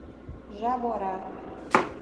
Jaborá